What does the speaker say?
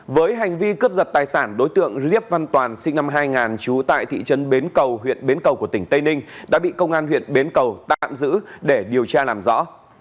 với hành vi cướp giật tài sản đối tượng liếp văn toàn sinh năm hai nghìn trú tại thị trấn bến cầu huyện bến cầu của tỉnh tây ninh đã bị công an huyện bến cầu tạm giữ để điều tra làm rõ